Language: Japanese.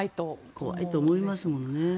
怖いと思いますもんね。